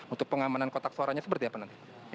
untuk pengamanan kotak suaranya seperti apa nanti